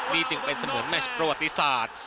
นี่จึงเป็นเสมือนแมชประวัติศาสตร์